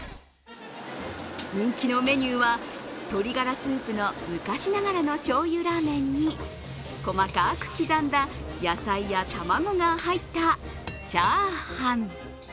人気のメニューは、鶏ガラスープの昔ながらのしょうゆラーメンに細かく刻んだ野菜やたまごが入ったチャーハン。